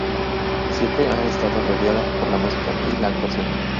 Siempre ha estado rodeada por la música y la actuación.